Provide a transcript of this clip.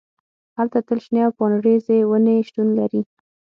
هلته تل شنې او پاڼریزې ونې شتون لري